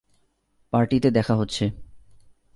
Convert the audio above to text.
পার্টিতে দেখা হচ্ছে।